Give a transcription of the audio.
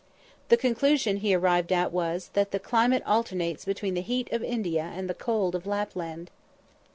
The conclusion he arrived at was, that the "climate alternates between the heat of India and the cold of Lapland."